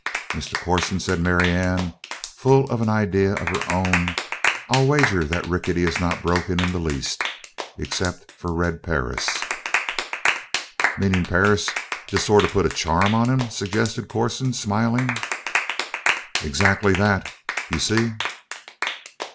"Mr. Corson," said Marianne, full of an idea of her own, "I'll wager that Rickety is not broken in the least except for Red Perris." "Meaning Perris just sort of put a charm on him?" suggested Corson, smiling. "Exactly that. You see?"